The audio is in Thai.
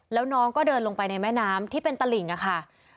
แล้วน้องก็เดินลงไปในแม่น้ำที่เป็นตลิ่งค่ะ